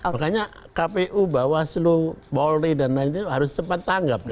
makanya kpu bahwa solo polri dan lain sebagainya harus cepat tanggap